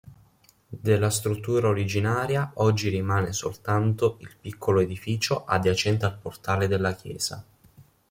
Della struttura originaria oggi rimane soltanto il piccolo edificio adiacente al portale della chiesa.